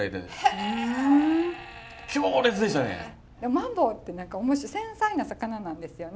マンボウって繊細な魚なんですよね？